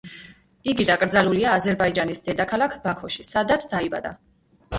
იგი დაკრძალულია აზერბაიჯანის დედაქალაქ ბაქოში, სადაც დაიბადა.